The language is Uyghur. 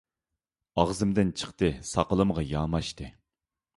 ئاغزىمدىن چىقتى، ساقىلىمغا ياماشتى.